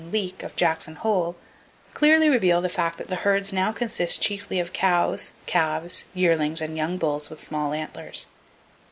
Leek, of Jackson Hole, clearly reveal the fact that the herds now consist chiefly of cows, calves, yearlings and young bulls with small antlers.